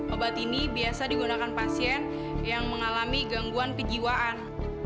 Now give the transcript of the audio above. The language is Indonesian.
obat ini biasa digunakan pasien yang mengalami gangguan kejiwaan